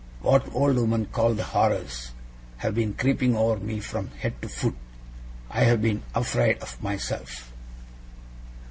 What old women call the horrors, have been creeping over me from head to foot. I have been afraid of myself.